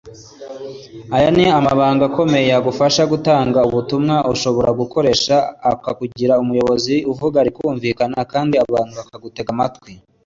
Aya ni amabanga akomeye yagufasha gutanga ubutumwa ushobora gukoresha akakugira umuyobozi uvuga rikumvikana kandi abantu bakagutega amatwi